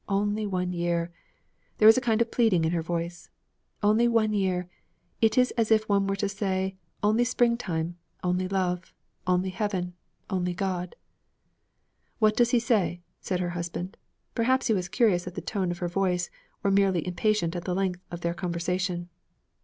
Only one year!' There was a kind of pleading in her voice. 'Only one year! It is as if one were to say "only springtime" "only love," "only heaven," "only God!"' 'What does he say?' said her husband. Perhaps he was curious at the tone of her voice; or merely impatient at the length of their conversation.